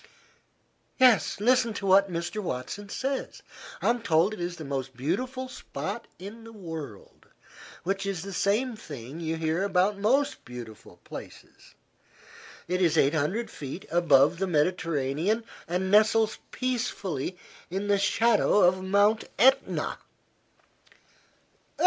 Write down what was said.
"Yes. Listen to what Mr. Watson says: 'I'm told it is the most beautiful spot in the world, which is the same thing you hear about most beautiful places. It is eight hundred feet above the Mediterranean and nestles peacefully in the shadow of Mount Etna.'"